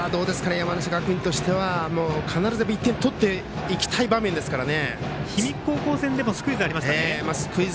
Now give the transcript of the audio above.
山梨学院としては必ず１点取っていきたい場面ですからね。